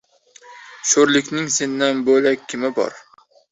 Sho‘rlikning sendan bo‘lak kimi bor!